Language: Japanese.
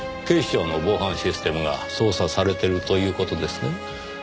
警視庁の防犯システムが操作されてるという事ですね？